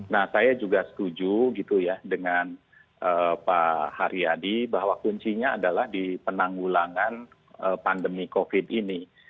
nah saya juga setuju gitu ya dengan pak haryadi bahwa kuncinya adalah di penanggulangan pandemi covid ini